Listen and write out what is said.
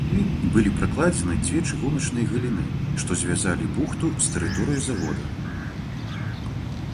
Сюды былі пракладзены дзве чыгуначныя галіны, што звязалі бухту з тэрыторыяй завода.